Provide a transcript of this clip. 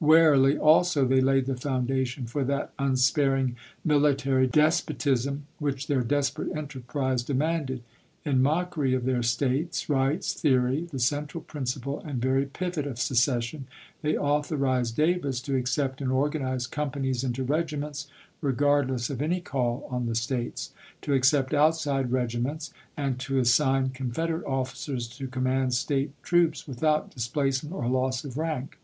Warily also T°p.^5L* they laid the foundation for that unsparing mili tary despotism which their desperate enterprise demanded. In mockery of their States Eights theory, the central principle and very pivot of secession, they authorized Davis to accept and organize "companies" into regiments, regardless of any caU on the States ; to accept " outside" regi 264 AEKAHAM LINCOLN Chap. XIV. ments ; and to assign Confederate officers to corn statutes mand State troops without displacement or loss of at Large, ^,^ ^Govern '^^ rank.